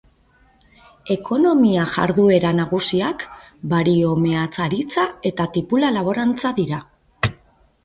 Ekonomia jarduera nagusiak bario-meatzaritza eta tipula-laborantza dira.